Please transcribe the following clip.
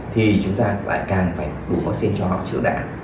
thì chúng ta lại càng phải đủ vaccine cho nó chữa đạn